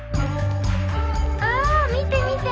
「あ見て見て」。